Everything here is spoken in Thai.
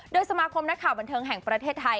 โดยสมาคมนักข่าวบันเทิงแห่งประเทศไทย